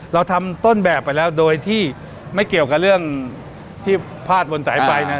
เราทำต้นแบบไปแล้วโดยที่ไม่เกี่ยวกับเรื่องที่พลาดบนสายไฟนะ